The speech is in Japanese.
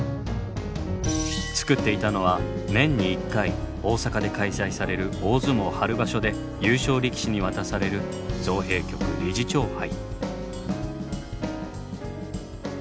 造っていたのは年に一回大阪で開催される大相撲春場所で優勝力士に渡される造幣局理事長杯。